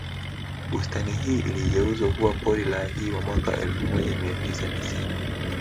Bustani hii iligeuzwa kuwa pori la akiba mwaka elfu moja mia tisa tisini